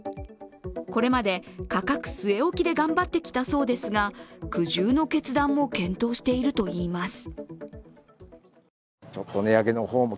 これまで価格据え置きで頑張ってきたそうですが、苦渋の決断も検討しているといいます。